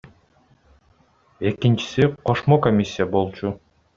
Экинчиси кошмо комиссия болчу.